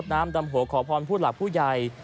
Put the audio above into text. น้ำดำหัวขอพรผู้หลักผู้ใหญ่